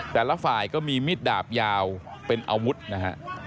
แต่ละฝ่ายก็มีมิดดาบยาวเป็นอาวุธนะฮะ